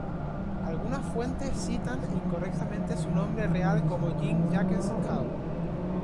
Algunas fuentes citan incorrectamente su nombre real como Jean-Jacques Cale.